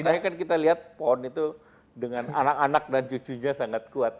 sebenarnya kan kita lihat pohon itu dengan anak anak dan cucunya sangat kuat